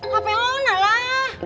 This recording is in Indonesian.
hape ona lah